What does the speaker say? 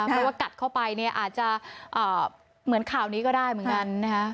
เพราะว่ากัดเข้าไปเนี่ยอาจจะเหมือนข่าวนี้ก็ได้เหมือนกันนะคะ